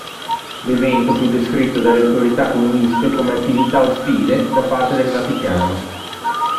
L'evento fu descritto dalle autorità comuniste come "attività ostile" da parte del Vaticano.